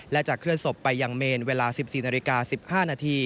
และจะเคลื่อนศพไปยังเมนเวลา๑๔น๑๕น